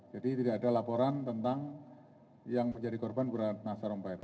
jadi tidak ada laporan tentang yang menjadi korban bu ratna sarumpahit